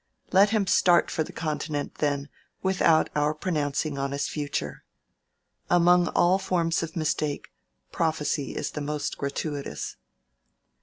Let him start for the Continent, then, without our pronouncing on his future. Among all forms of mistake, prophecy is the most gratuitous.